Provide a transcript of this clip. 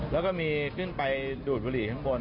แล้วก็มีขึ้นไปดูดบุหรี่ข้างบน